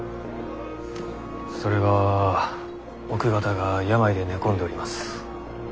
それが奥方が病で寝込んでおります。